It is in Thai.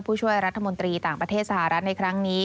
ผู้ช่วยรัฐมนตรีต่างประเทศสหรัฐในครั้งนี้